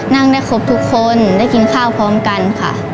นั่งได้ครบทุกคนได้กินข้าวพร้อมกันค่ะ